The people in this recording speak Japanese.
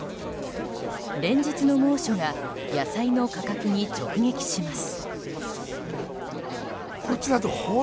連日の猛暑が野菜の価格に直撃します。